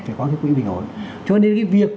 phải có cái quỹ bình ổn cho nên cái việc